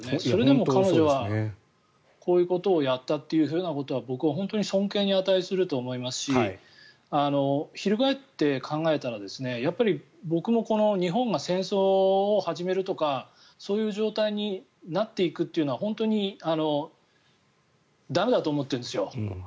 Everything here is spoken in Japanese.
それでも彼女はこういうことをやったということは僕は本当に尊敬に値すると思いますし翻って考えたら僕もこの日本が戦争を始めるとかそういう状態になっていくというのは本当に駄目だと思ってるんですよ。